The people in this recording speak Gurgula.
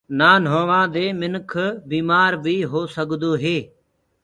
نآ نهووآدي مِنک بيٚمآر بيٚ هو سگدوئي